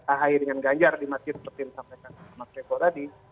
ahy dengan ganjar di masjid seperti yang disampaikan mas revo tadi